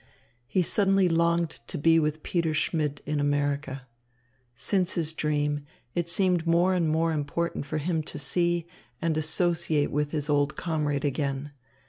He suddenly longed to be with Peter Schmidt in America. Since his dream, it seemed more and more important for him to see, and associate with, his old comrade again.